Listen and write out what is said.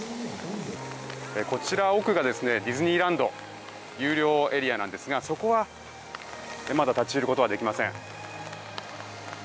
こちらの奥がディズニーランド有料エリアなんですがそこはまだ立ち入ることはできません。